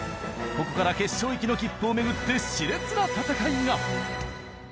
ここから決勝行きの切符を巡って熾烈な戦いが。